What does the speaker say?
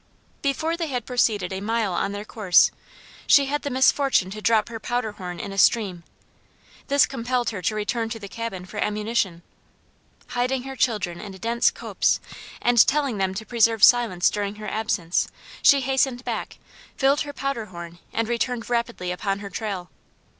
Before they had proceeded a mile on their course she had the misfortune to drop her powder horn in a stream: this compelled her to return to the cabin for ammunition. Hiding her children in a dense copse and telling them to preserve silence during her absence, she hastened back, filled her powder horn and returned rapidly upon her trail.